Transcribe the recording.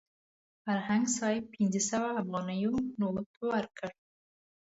فرهنګ صاحب پنځه سوه افغانیو نوټ ورکړ.